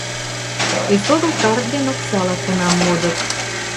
Эсогыл карт ден оксала кунам модыт